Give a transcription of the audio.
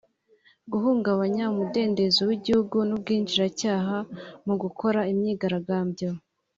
guhungabanya umudendezo w’igihugu n’ubwinjiracyaha mu gukora imyigaragambyo